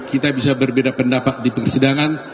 kita bisa berbeda pendapat di persidangan